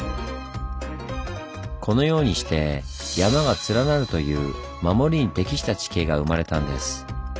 このようにして山が連なるという守りに適した地形が生まれたんです。